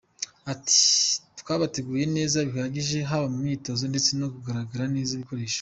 Ati” Twabateguye neza bihagije haba mu myitozo ndetse no kubagenera ibikoresho.